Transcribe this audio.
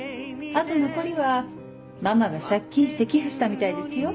あと残りはママが借金して寄付したみたいですよ。